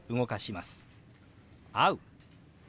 「会う」。